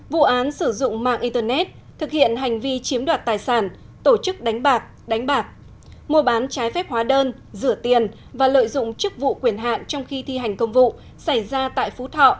vụ án sử dụng mạng internet thực hiện hành vi chiếm đoạt tài sản tổ chức đánh bạc đánh bạc mua bán trái phép hóa đơn rửa tiền và lợi dụng chức vụ quyền hạn trong khi thi hành công vụ xảy ra tại phú thọ